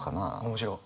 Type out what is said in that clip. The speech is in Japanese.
面白い。